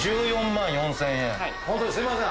ホントにすいません。